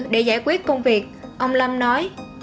để giải quyết công việc ông lâm nói